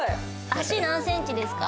足何センチですか？